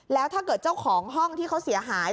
แล้วถ้าเกิดเจ้าของห้องที่เขาเสียหาย